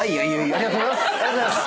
ありがとうございます！